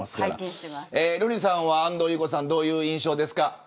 瑠麗さんは安藤優子さんどういう印象ですか。